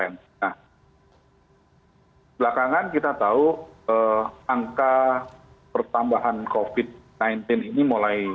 nah belakangan kita tahu angka pertambahan covid sembilan belas ini mulai